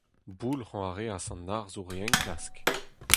Boulc'hañ a reas an arzour e enklask.